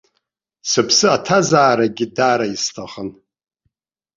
Сыԥсы аҭазааргьы дара исҭахын.